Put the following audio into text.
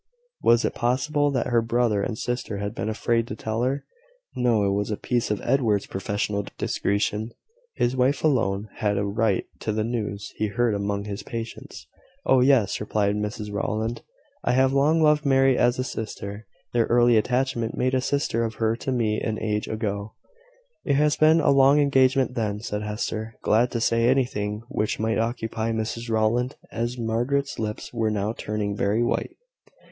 Was it possible that her brother and sister had been afraid to tell her? No: it was a piece of Edward's professional discretion. His wife alone had a right to the news he heard among his patients. "Oh, yes!" replied Mrs Rowland; "I have long loved Mary as a sister. Their early attachment made a sister of her to me an age ago." "It has been a long engagement, then," said Hester, glad to say anything which might occupy Mrs Rowland, as Margaret's lips were now turning very white.